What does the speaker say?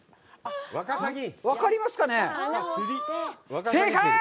分かりますかね？